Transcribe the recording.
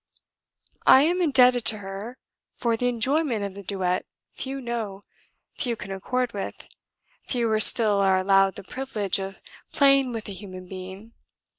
I am indebted to her for the enjoyment of the duet few know, few can accord with, fewer still are allowed the privilege of playing with a human being.